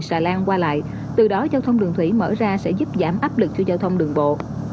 xà lan qua lại từ đó giao thông đường thủy mở ra sẽ giúp giảm áp lực cho giao thông đường bộ